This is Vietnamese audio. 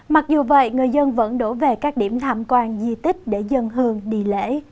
mặc dù vậy người dân vẫn đổ về các điểm tham quan di tích để dân hương đi lễ